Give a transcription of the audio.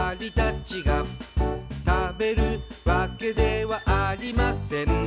「食べるわけではありません」